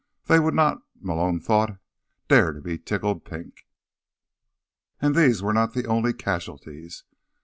They would not, Malone thought, dare to be tickled pink. And these were not the only casualties.